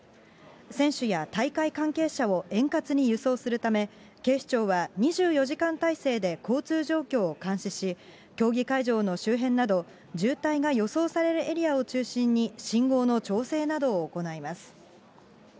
選手や大会関係者を円滑に輸送するため、警視庁は２４時間体制で交通状況を監視し、競技会場の周辺など、渋滞が予想されるエリアを中心に、信号の調整などを行います。